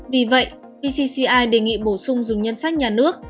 vì vậy vcci đề nghị bổ sung dùng ngân sách nhà nước